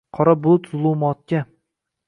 Qora bulut zulumotga